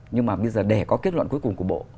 nhưng mà bây giờ để có kết luận cuối cùng của bộ